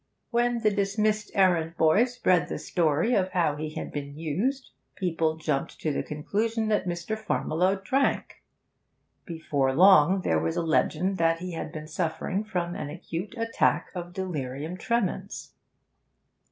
When the dismissed errand boy spread the story of how he had been used, people jumped to the conclusion that Mr. Farmiloe drank. Before long there was a legend that he had been suffering from an acute attack of delirium tremens.